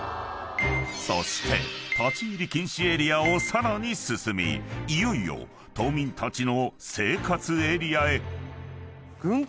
［そして立ち入り禁止エリアをさらに進みいよいよ島民たちの］